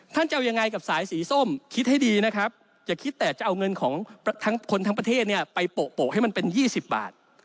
จะเอายังไงกับสายสีส้มคิดให้ดีนะครับอย่าคิดแต่จะเอาเงินของทั้งคนทั้งประเทศเนี่ยไปโปะให้มันเป็น๒๐บาท